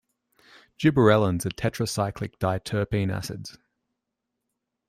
Gibberellins are tetracyclic diterpene acids.